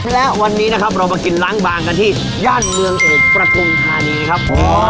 และวันนี้เรามากินหลังบ้างกันที่ย่านเมืองเอกประกุณฑานีครับ